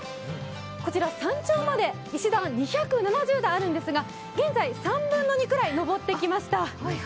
こちら山頂まで石段が２７０段あるんですが、現在３分の２くらい上ってきました。